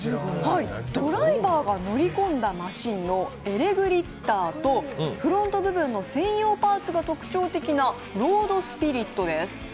ドライバーが乗り込んだマシンのエレグリッターとフロント部分の専用パーツが特徴的なロードスピリットです。